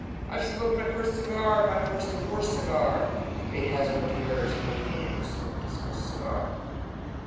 I've smoked my first cigar! My first and worst cigar! Fate has no terrors for the man Who's smoked his first cigar!